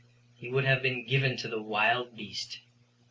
He would have been given to the wild beast.